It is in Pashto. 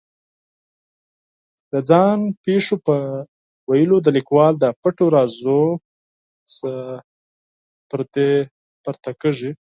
د ځان پېښو په لوستلو د لیکوال د پټو رازونو څخه پردې پورته کېږي.